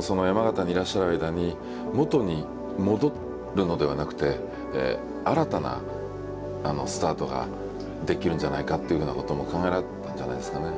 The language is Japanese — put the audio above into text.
その山形にいらっしゃる間に元に戻るのではなくて新たなスタートができるんじゃないかっていうふうなことも考えられたんじゃないですかね。